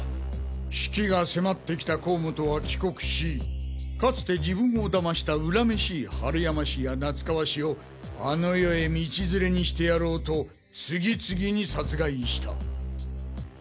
死期が迫ってきた甲本は帰国しかつて自分を騙した恨めしい春山氏や夏川氏をあの世へ道連れにしてやろうと次々に殺害した。